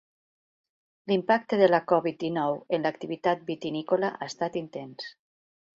L'impacte de la Covid dinou en l'activitat vitivinícola ha estat intens.